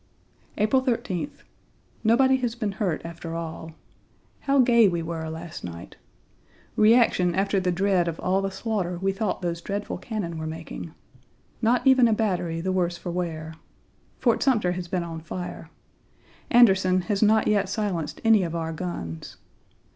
April 13th. Nobody has been hurt after all. How gay we were last night. Reaction after the dread of all the slaughter we thought those dreadful cannon were making. Not even a battery the worse for wear. Fort Sumter has been on fire. Anderson has not yet silenced any of our guns.